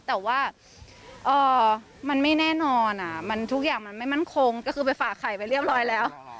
แต่ว่ามันไม่แน่นอนทุกอย่างมันไม่มั่นคงก็คือไปฝากไข่ไปเรียบร้อยแล้ว